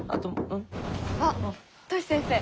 あっトシ先生。